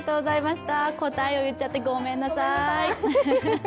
答えを言っちゃってごめんなさい。